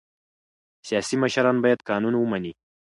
سیاسي مشران باید قانون ومني